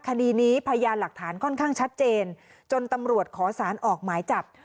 คดีนี้พยานหลักฐานค่อนข้างชัดเจนจนตำรวจขอสารออกหมายจับ